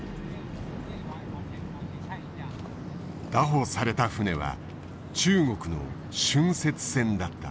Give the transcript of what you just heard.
拿捕された船は中国の浚渫船だった。